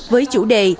với chủ đề